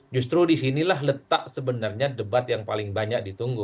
justru disinilah letak sebenarnya debat yang paling banyak ditunggu